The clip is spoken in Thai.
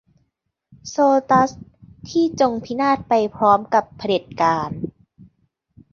- โซตัส ที่จงพินาศไปพร้อมกับเผด็จการ